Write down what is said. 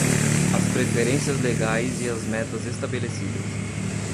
as preferências legais e as metas estabelecidas